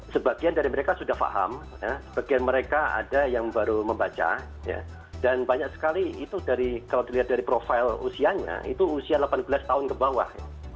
sebagian dari mereka sudah paham sebagian mereka ada yang baru membaca dan banyak sekali itu kalau dilihat dari profil usianya itu usia delapan belas tahun ke bawah